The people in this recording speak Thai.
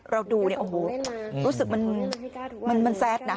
เราดูแล้วอ๋อหู้วรู้สึกจะมันแซสน่ะ